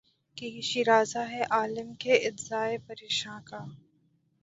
کہ یہ شیرازہ ہے عالم کے اجزائے پریشاں کا